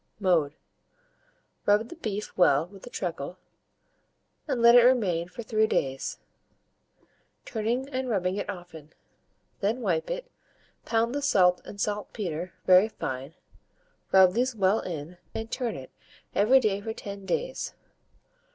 Mode. Rub the beef well with the treacle, and let it remain for 3 days, turning and rubbing it often; then wipe it, pound the salt and saltpetre very fine, rub these well in, and turn it every day for 10 days.